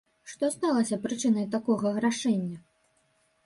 Што сталася прычынай такога рашэння?